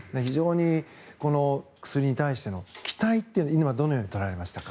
この薬に対しての期待というのはどのように捉えましたか。